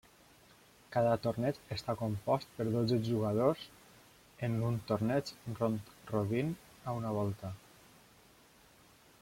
Cada torneig està compost per dotze jugadors, en un torneig round-robin a una volta.